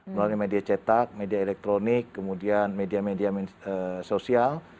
melalui media cetak media elektronik kemudian media media sosial